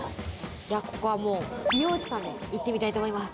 ここはもう美容師さんで行ってみたいと思います。